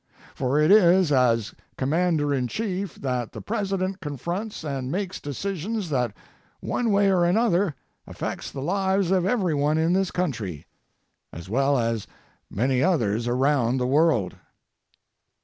For it is as Commander in Chief that the President confronts and makes decisions that one way or another affects the lives of everyone in this country as well as many others around the world.